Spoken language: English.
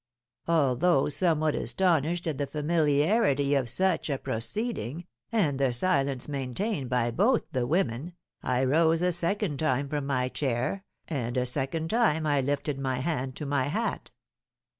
Although somewhat astonished at the familiarity of such a proceeding, and the silence maintained by both the women, I rose a second time from my chair, and a second time I lifted my hand to my hat.